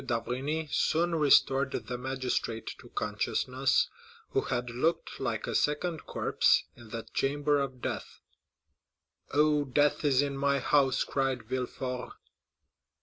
d'Avrigny soon restored the magistrate to consciousness, who had looked like a second corpse in that chamber of death. "Oh, death is in my house!" cried Villefort.